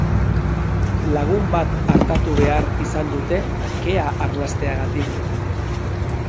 Lagun bat artatu behar izan dute kea arnasteagatik.